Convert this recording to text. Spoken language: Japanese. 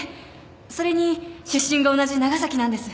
それに出身が同じ長崎なんです。